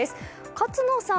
勝野さん